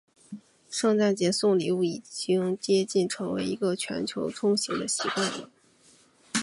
圣诞节送礼物已经接近成为一个全球通行的习惯了。